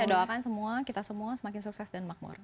kita doakan semua kita semua semakin sukses dan makmur